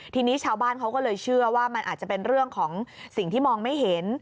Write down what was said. ทีนี้ชาวบ้านเขาก็เลยเชื่อว่ามันอาจจะเป็นเรื่องของสิ่งที่มองไม่เห็น